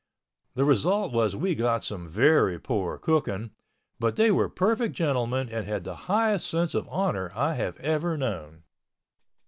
The result was we got some very poor cooking, but they were perfect gentlemen and had the highest sense of honor I have ever known.